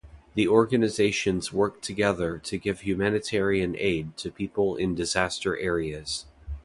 The organizations work together to give humanitarian aid to people in disaster areas.